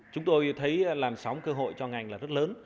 chúng tôi thấy làn sóng cơ hội cho ngành là rất lớn